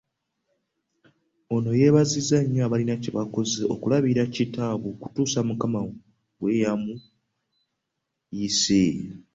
Ono yeebazizza nnyo abalina kye bakoze okulabirira kitaabwe okutuusa Mukama bwe yamuyise.